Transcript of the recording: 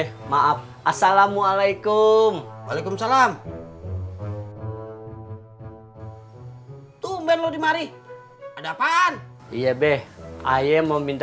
hah ganti rugi